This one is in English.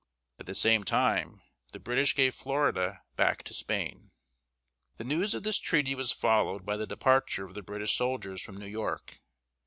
At the same time, the British gave Florida back to Spain. The news of this treaty was followed by the departure of the British soldiers from New York.